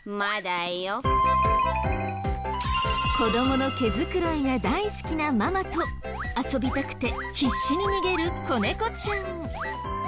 子供の毛づくろいが大好きなママと遊びたくて必死に逃げる子猫ちゃん。